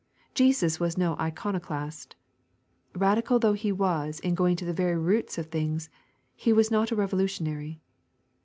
Jesus was no iconoclast. Radical though He was in going to the very roots of things. He was not a revolu tionary.